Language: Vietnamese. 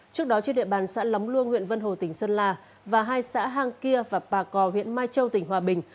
trước đó trên địa bàn xã lóng luông huyện vân hồ tỉnh sơn la và hai xã hang kia và bà cò huyện mai châu tỉnh hòa bình